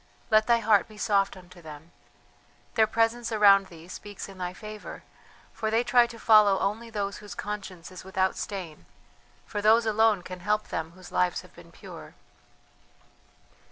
Let thy heart be soft unto them. Their presence around thee speaks in thy favour, for they try to follow only those whose conscience is without stain, for those alone can help them whose lives have been pure."